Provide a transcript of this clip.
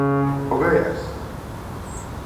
¿O Gaiás?